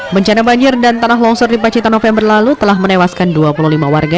bencana banjir dan tanah longsor di pacitan november lalu telah menewaskan dua puluh lima warga